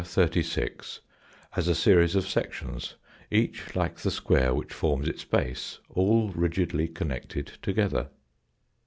36, as a series of sections, each like the * square which forms its base, all Fig. 35. rigidly connected together.